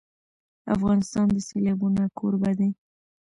افغانستان د سیلابونه کوربه دی.